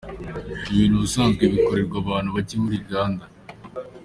Ibintu ubusanzwe bikorerwa abantu bake muri Uganda.